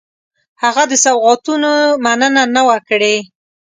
هغه د سوغاتونو مننه نه وه کړې.